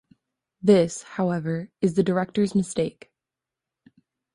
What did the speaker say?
This, however, is the director's mistake.